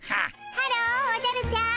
ハローおじゃるちゃん。